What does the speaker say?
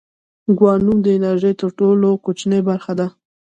کوانوم د انرژۍ تر ټولو کوچنۍ برخه ده.